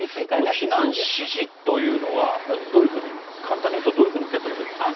これ、避難指示というのは、どういうふうに簡単に言うとどういうふうに受け取ればいいですか。